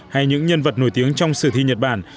hay những nhân vật nổi tiếng trong sử thi nhật bản